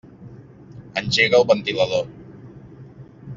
Engega el ventilador.